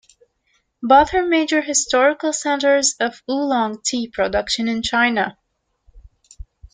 Both are major historical centers of oolong tea production in China.